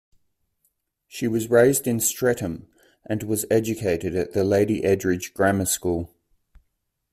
She was raised in Streatham and was educated at the Lady Edridge Grammar School.